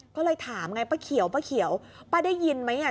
ก็เลยถามไงป้าเขียวป้าเขียวป้าได้ยินไหมอ่ะ